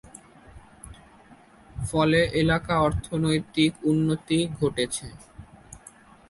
ফলে এলাকার অর্থনৈতিক উন্নতি ঘটেছে।